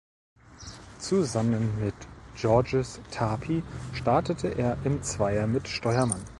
Zusammen mit Georges Tapie startete er im Zweier mit Steuermann.